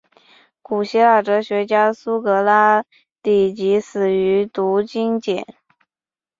古希腊哲学家苏格拉底即死于毒芹碱。